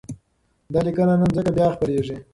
دا لیکنه نن ځکه بیا خپرېږي،